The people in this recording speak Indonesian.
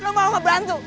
lu mau ngebantu